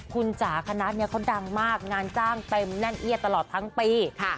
คุณจ๋าคณะเนี่ยเขาดังมากงานจ้างเต็มแน่นเอียดตลอดทั้งปี